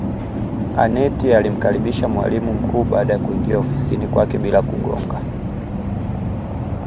Aneth alimkaribisha mwalimu mkuu baada ya kuingia ofisini kwake bila kugonga